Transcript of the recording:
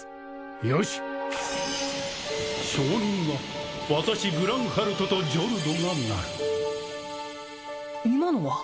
よし証人は私グランハルトとジョルドがなる今のは？